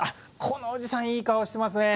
このおじさんいい顔してますね。